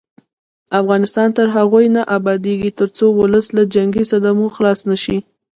افغانستان تر هغو نه ابادیږي، ترڅو ولس له جنګي صدمو خلاص نشي.